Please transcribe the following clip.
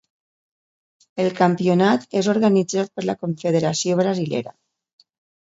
El campionat és organitzat per la confederació brasilera.